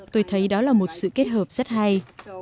tôi thấy đó là một sự kết hợp rất hay